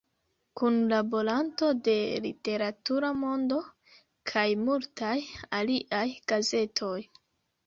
Kunlaboranto de "Literatura Mondo" kaj multaj aliaj gazetoj.